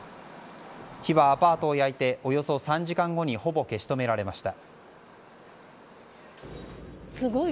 火はアパートを焼いておよそ３時間後にほぼ消し止められました。